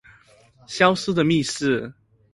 消失的密室